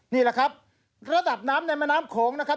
นี่แหละครับระดับน้ำในแม่น้ำโขงนะครับ